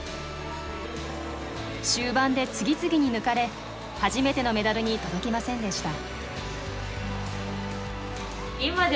終盤で次々に抜かれ初めてのメダルに届きませんでした。